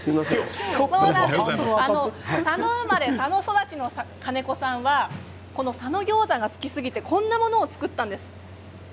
佐野生まれ、佐野育ちの金子さんは、この佐野餃子が好きすぎてこんなものを作ったんです。